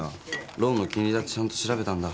ローンの金利だってちゃんと調べたんだ。